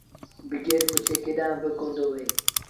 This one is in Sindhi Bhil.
بگر پُڇي ڪيڏآݩ با ڪوندو وهي